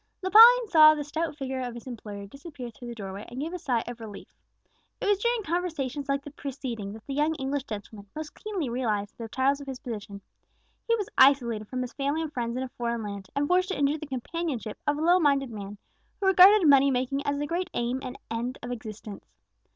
Lepine saw the stout figure of his employer disappear through the doorway, and gave a sigh of relief. It was during conversations like the preceding that the young English gentleman most keenly realized the trials of his position. He was isolated from his family and friends in a foreign land, and forced to endure the companionship of a low minded man, who regarded money making as the great aim and end of existence.